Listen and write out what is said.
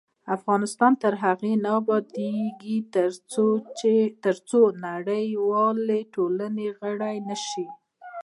افغانستان تر هغو نه ابادیږي، ترڅو د نړیوالې ټولنې فعال غړي نشو.